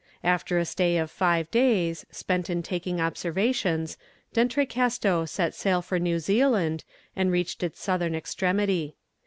After a stay of five days, spent in taking observations, D'Entrecasteaux set sail for New Zealand, and reached its southern extremity.